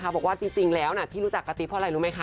บอกว่าจริงแล้วที่รู้จักกะติเพราะอะไรรู้ไหมคะ